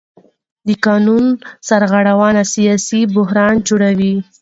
د قانون سرغړونه سیاسي بحران جوړوي